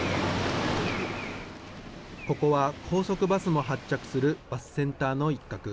ここは高速バスも発着するバスセンターの一角。